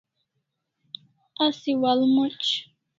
Asi wa'al moc